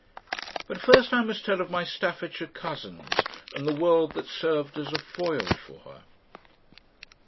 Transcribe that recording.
But first I must tell of my Staffordshire cousins and the world that served as a foil for her.